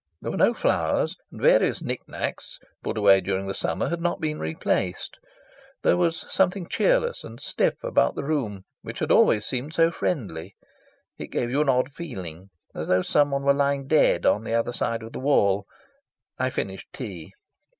There were no flowers, and various knick knacks, put away during the summer, had not been replaced; there was something cheerless and stiff about the room which had always seemed so friendly; it gave you an odd feeling, as though someone were lying dead on the other side of the wall. I finished tea.